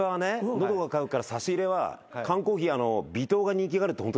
喉が渇くから差し入れは缶コーヒー微糖が人気があるってホントですか？